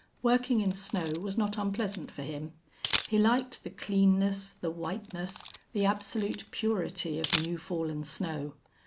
Working in snow was not unpleasant for him. He liked the cleanness, the whiteness, the absolute purity of new fallen snow.